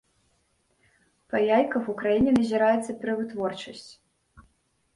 Па яйках ў краіне назіраецца перавытворчасць.